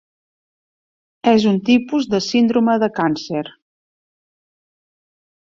És un tipus de síndrome de càncer.